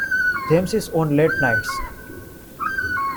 James is on late nights.